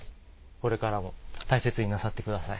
これからも大切になさってください。